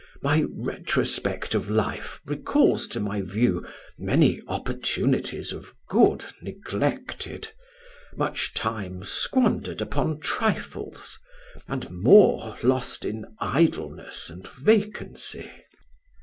My retrospect of life recalls to my view many opportunities of good neglected, much time squandered upon trifles, and more lost in idleness and vacancy.